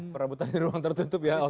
perebutan di ruang tertutup ya oke oke